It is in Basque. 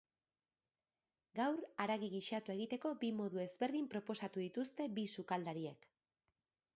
Gaur haragi gisatua egiteko bi modu ezberdin proposatu dituzte bi sukaldariek.